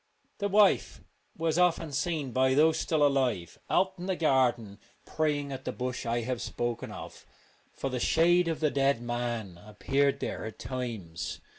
The wife was often seen by those still alive out in the garden praying at the bush I have spoken of, for the shade of the dead man appeared there at times.